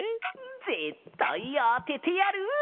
ぜったいあててやる！